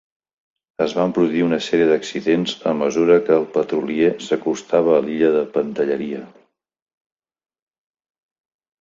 Es van produir una sèrie d'accidents a mesura que el petrolier s'acostava a l'illa de Pantelleria.